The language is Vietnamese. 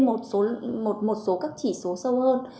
ngoài ra thì chúng ta cũng nhìn thêm một số các chỉ số sâu hơn